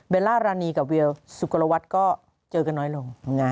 ล่ารานีกับเวียวสุกรวัตรก็เจอกันน้อยลง